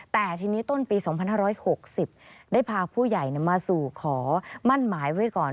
แต่ทีนี้ต้นปี๒๕๖๐ได้พาผู้ใหญ่มาสู่ขอมั่นหมายไว้ก่อน